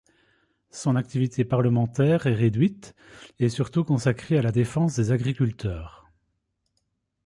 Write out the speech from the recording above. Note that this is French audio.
Son activité parlementaire est réduite et surtout consacrée à la défense des agriculteurs.